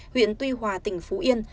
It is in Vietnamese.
huyện tuy hòa tỉnh phú yên